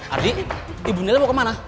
ardi ibu nelia mau kemana